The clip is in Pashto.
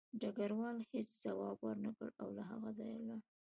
ډګروال هېڅ ځواب ورنکړ او له هغه ځایه لاړ